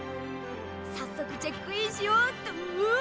さっそくチェックインしよっとうわ！